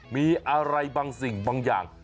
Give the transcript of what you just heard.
มีอะไรบางสิ่งบางอย่าง